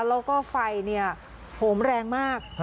แล้วก็ไฟโหมแรงมาก